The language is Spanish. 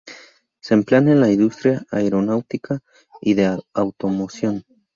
Se emplean en la industria aeronáutica y de automoción.